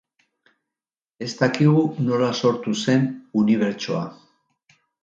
Ez dakigu nola sortu zen unibertsoa